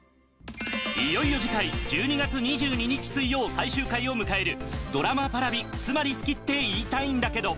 いよいよ次回１２月２２日水曜最終回を迎えるドラマＰａｒａｖｉ『つまり好きって言いたいんだけど、』。